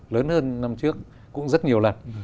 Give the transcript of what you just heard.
lớn hơn năm trước cũng rất nhiều lần